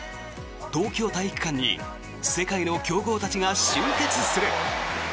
東京体育館に世界の強豪たちが集結する！